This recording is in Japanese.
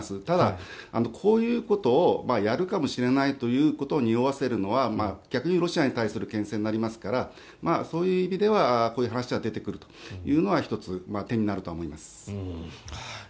ただ、こういうことをやるかもしれないということをにおわせるのは逆にロシアに対するけん制になりますからそういう意味ではこういう話は出てくるというのが１つ、手になるとは思います。